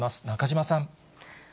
中島さん。